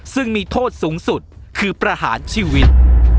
ซึ่งมีโทษสูงสุดคือประหารชีวิต